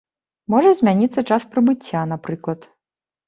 Можа змяніцца час прыбыцця, напрыклад.